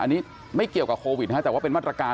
อันนี้ไม่เกี่ยวกับโควิดนะฮะแต่ว่าเป็นมาตรการ